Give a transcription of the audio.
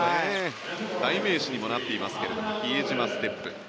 代名詞にもなっていますけれども比江島ステップ。